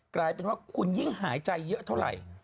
กลายเป็นว่าคุณยิ่งหายใจเยอะเท่าไหร่